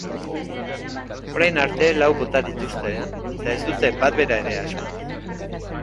Orain arte lau bota dituzte, eta ez dute bat bera ere asmatu.